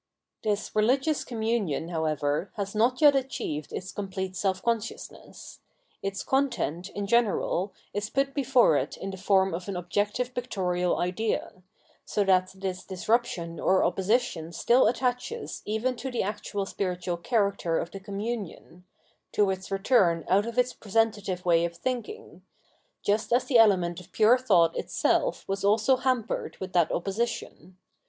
797 Reveal^ Religion This religious communion, however, has not yet achieved its complete self consciousness. Its content, in general, is put before it in the form of an objec tive pictorial idea; so that this disruption or opposi tion* still attaches even to the actual spiritual character of the communion — to its return out of its presentative way of thinking; just as the element of pure thought itself was also hampered with that opposition.